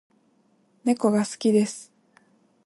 猫が好きです